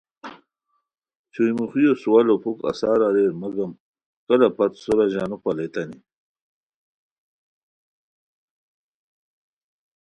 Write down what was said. چھوئی موخیو سوالو پُھک اثر اریرمگم کلہ پت سورا ژانو پالیتانی